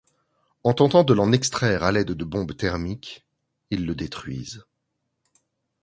En tentant de l'en extraire à l'aide de bombes thermiques, ils le détruisent.